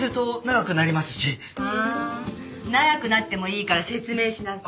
長くなってもいいから説明しなさい。